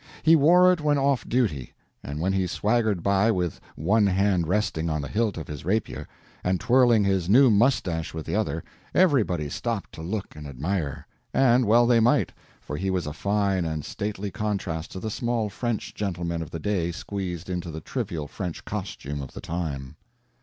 He wore it when off duty; and when he swaggered by with one hand resting on the hilt of his rapier, and twirling his new mustache with the other, everybody stopped to look and admire; and well they might, for he was a fine and stately contrast to the small French gentlemen of the day squeezed into the trivial French costume of the time.